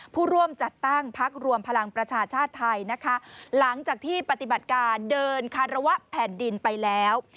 ผู้ร่วมจัดตั้งพักรวมพลังประชาชาติไทยนะคะหลังจากที่ปฏิบัติการเดินคารวะแผ่นดินไปแล้ว